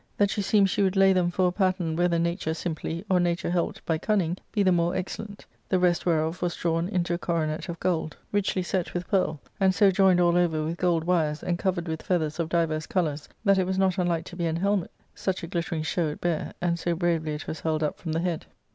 J that she seemed she would lay them for a pattpoi whether nature simply or nature helped by cunning be the more excellent ; the rest whereof was drawn into a coronet of gold 64 ARCADIA.— Book L \ richly set with pearl, and so joined all over with gold wires, and covered with feathers of divers colours, that it was not unlike to an helmet, such a glittering show it bare, and so bravely it was held up from the head.